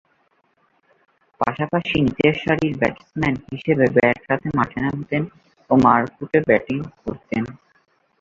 পাশাপাশি নিচেরসারির ব্যাটসম্যান হিসেবে ব্যাট হাতে মাঠে নামতেন ও মারকুটে ব্যাটিং করতেন।